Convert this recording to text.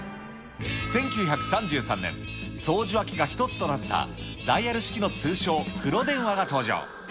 １９３３年、送受話器が１つとなったダイヤル式の通称、黒電話が登場。